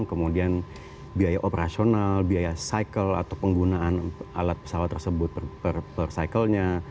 kemudian biaya operasional biaya cycle atau penggunaan alat pesawat tersebut per cycle nya